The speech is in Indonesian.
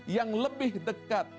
yang lebih dekat